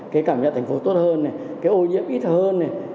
cái cảm nhận thành phố tốt hơn này cái ô nhiễm ít hơn này